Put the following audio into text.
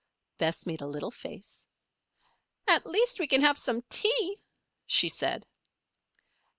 Bess made a little face. "At least, we can have some tea," she said.